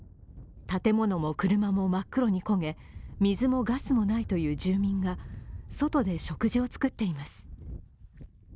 建物も車も真っ黒に焦げ水もガスもないという住民が外で食事を作っています。